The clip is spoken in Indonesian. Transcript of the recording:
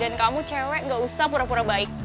dan kamu cewek gak usah pura pura baik